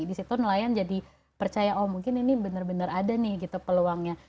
disitu nelayan jadi percaya oh mungkin ini bener bener ada nih gitu peluangnya